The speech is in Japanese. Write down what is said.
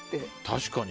確かに。